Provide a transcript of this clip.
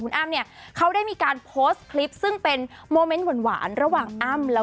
คุณอ้ำตอบว่าค่ะ